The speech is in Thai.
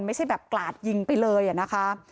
ไม่ใช่แบบกราดยิงไปเลยอะนะคะ